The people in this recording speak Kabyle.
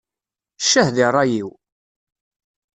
Ccah di ṛṛay-iw!